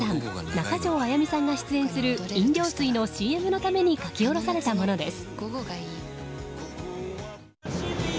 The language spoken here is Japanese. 中条あやみさんが出演する飲料水のＣＭのために書き下ろされたものです。